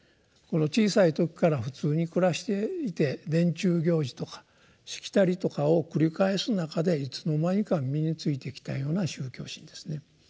小さい時から普通に暮らしていて年中行事とかしきたりとかを繰り返す中でいつの間にか身についてきたような宗教心ですね。